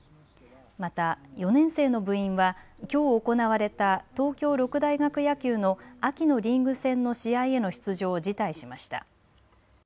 また４年生の部員はきょう行われた東京六大学野球の秋のリーグ戦の試合への出場を辞退しました。